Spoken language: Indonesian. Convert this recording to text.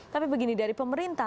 tapi begini dari pemerintah